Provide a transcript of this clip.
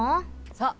そう！